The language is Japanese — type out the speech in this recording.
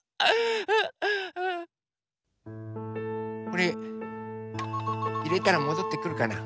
これいれたらもどってくるかな？